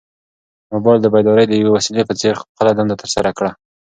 موبایل د بیدارۍ د یوې وسیلې په څېر خپله دنده ترسره کړه.